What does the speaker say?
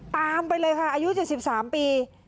ตามไปเลยค่ะอายุ๗๓ปี